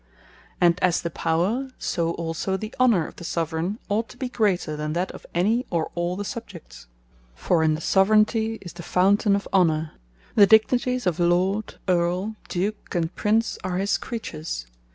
And as the Power, so also the Honour of the Soveraign, ought to be greater, than that of any, or all the Subjects. For in the Soveraignty is the fountain of Honour. The dignities of Lord, Earle, Duke, and Prince are his Creatures.